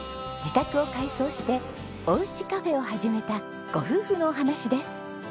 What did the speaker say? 自宅を改装しておうちカフェを始めたご夫婦のお話です。